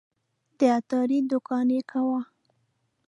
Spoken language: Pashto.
د عطاري دوکان یې کاوه.